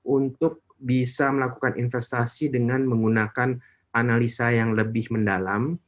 untuk bisa melakukan investasi dengan menggunakan analisa yang lebih mendalam